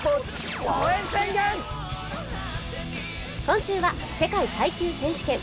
今週は世界耐久選手権。